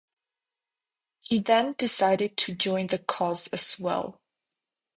He then decided to join the cause as well.